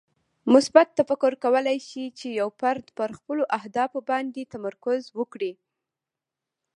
مثبت تفکر کولی شي چې یو فرد پر خپلو اهدافو باندې تمرکز وکړي.